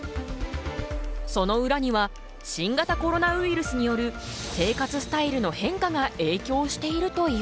その裏には新型コロナウイルスによる生活スタイルの変化がえいきょうしているという。